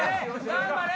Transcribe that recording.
頑張れ！